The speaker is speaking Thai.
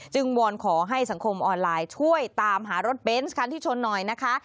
วอนขอให้สังคมออนไลน์ช่วยตามหารถเบนส์คันที่ชนหน่อยนะคะ